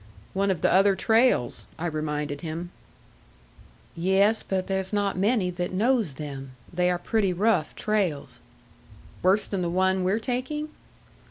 "One of the other trails," I reminded him. "Yes, but there's not many that knows them. They are pretty rough trails." "Worse than this one we're taking?"